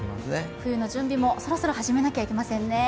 冬の準備もそろそろ始めないといけませんね。